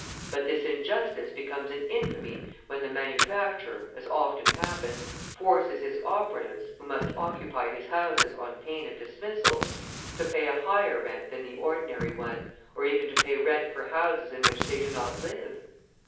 But this injustice becomes an infamy when the manufacturer, as often happens, forces his operatives, who must occupy his houses on pain of dismissal, to pay a higher rent than the ordinary one, or even to pay rent for houses in which they do not live!